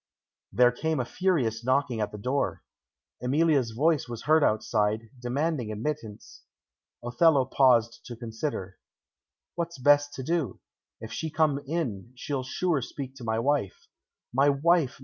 There came a furious knocking at the door. Emilia's voice was heard outside, demanding admittance. Othello paused to consider. "What's best to do? If she come in, she'll sure speak to my wife. My wife!